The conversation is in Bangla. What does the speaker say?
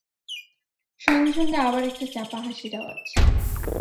সঙ্গে সঙ্গে আবার একটা চাপা হাসির আওয়াজ।